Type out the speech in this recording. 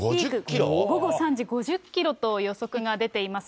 午後３時、５０キロと予測が出ています。